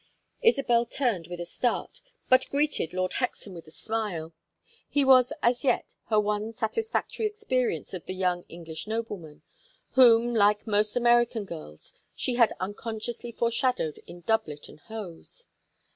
Isabel turned with a start, but greeted Lord Hexam with a smile. He was as yet her one satisfactory experience of the young English nobleman, whom, like most American girls, she had unconsciously foreshadowed in doublet and hose.